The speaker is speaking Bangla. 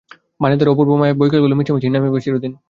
বনের ধারে সে অপূর্ব মায়াময় বৈকালগুলি মিছামিছিই নামিবে চিরদিন।